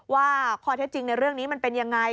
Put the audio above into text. ว่าข้อเท็จจริงในเรื่องนี้มันเป็นยังไง